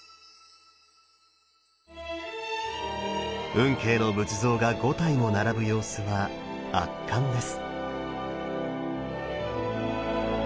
運慶の仏像が５体も並ぶ様子は圧巻です。